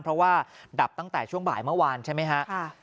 เพราะว่าดับตั้งแต่ช่วงบ่ายเมื่อวานใช่ไหมฮะ